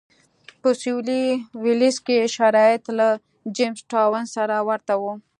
په سوېلي ویلز کې شرایط له جېمز ټاون سره ورته و.